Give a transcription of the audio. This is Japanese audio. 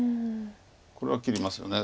これは切りますよね。